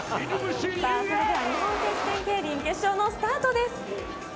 それでは日本選手権競輪、決勝のスタートです。